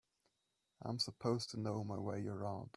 I'm supposed to know my way around.